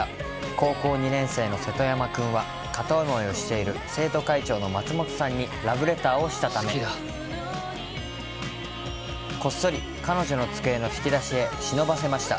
高校２年生の瀬戸山君は片思いしている生徒会長の松本さんにラブレターをしたため、こっそり彼女の机の引き出しへしのばせました。